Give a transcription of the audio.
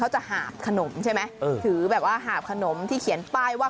จะหาบขนมใช่ไหมถือแบบว่าหาบขนมที่เขียนป้ายว่า